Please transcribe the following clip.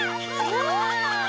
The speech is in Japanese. うわ！